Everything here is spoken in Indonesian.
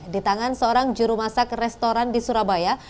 di tangan seorang jurumasak restoran di surabaya